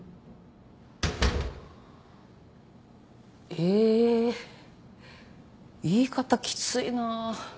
えー言い方きついな。